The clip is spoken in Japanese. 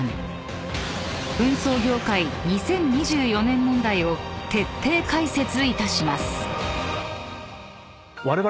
［運送業界２０２４年問題を徹底解説いたします］